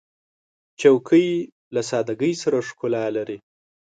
چوکۍ له سادګۍ سره ښکلا لري.